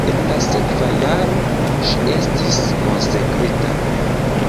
En la sekva jaro ĝi estis konsekrita.